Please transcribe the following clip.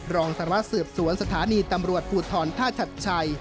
รองสารวัสสืบสวนสถานีตำรวจภูทรท่าชัดชัย